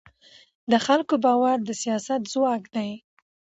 د خلکو باور د سیاست ځواک دی